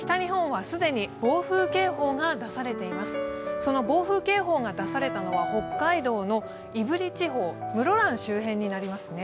その暴風警報が出されたのは北海道の胆振地方、室蘭周辺になりますね。